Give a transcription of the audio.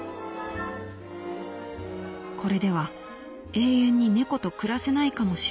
「これでは永遠に猫と暮らせないかもしれない。